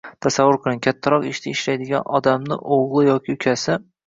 Tasavvur qiling: Kattaroq ishda ishlaydigan odamni o‘g‘li yoki ukasi